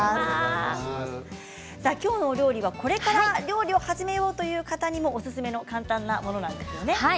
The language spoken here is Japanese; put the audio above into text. きょうの料理はこれから料理を始めようという方にもおすすめの簡単なものなんですね。